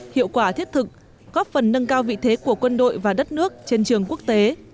hiệu quả thiết thực góp phần nâng cao vị thế của quân đội và đất nước trên trường quốc tế